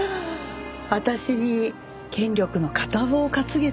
私に権力の片棒を担げと？